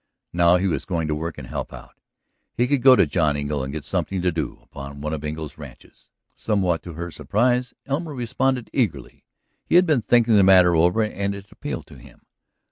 Now he was going to work and help out. He could go to John Engle and get something to do upon one of Engle's ranches. Somewhat to her surprise Elmer responded eagerly. He had been thinking the matter over and it appealed to him.